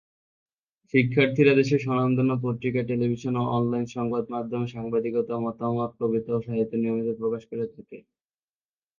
শিক্ষার্থীরা দেশের স্বনামধন্য পত্রিকা, টেলিভিশন ও অনলাইন সংবাদ মাধ্যমে সাংবাদিকতা, মতামত, কবিতা ও সাহিত্য নিয়মিত প্রকাশ করে থাকে।